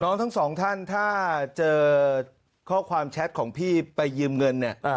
ทั้งสองท่านถ้าเจอข้อความแชทของพี่ไปยืมเงินเนี่ย